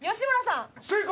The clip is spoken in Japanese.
正解！